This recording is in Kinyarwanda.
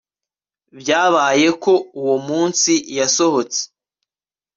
Byabaye ko uwo munsi yasohotse